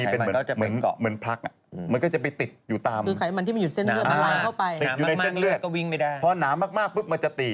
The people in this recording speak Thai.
หลอดเลือดในหัวใจสมมุติว่าที่เขาบอกอย่างี้